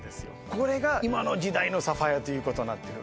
これが今の時代のサファイアということなってる